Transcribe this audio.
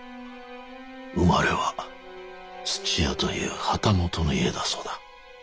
生まれは土屋という旗本の家だそうだ。